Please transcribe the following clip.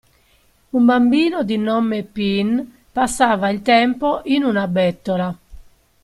Un bambino di nome Pin passava il tempo in una bettola.